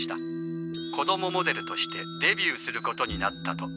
子供モデルとしてデビューすることになったと。